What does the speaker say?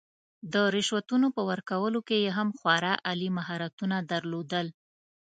د رشوتونو په ورکولو کې یې هم خورا عالي مهارتونه درلودل.